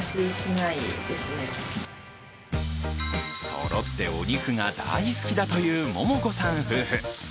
そろってお肉が大好きだという桃子さん夫婦。